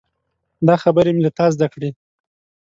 دا خبرې مې له تا زده کړي.